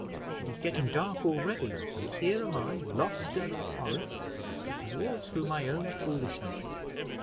It is getting dark already, and here I am lost in the forest, and all through my own foolishness.